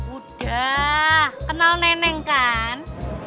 udah kenal neneng kan